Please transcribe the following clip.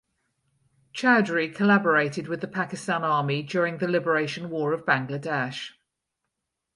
Chowdhury collaborated with the Pakistan Army during the Liberation War of Bangladesh.